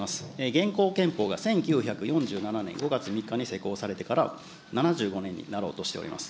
現行憲法が１９４７年５月３日に施行されてから、７５年になろうとしています。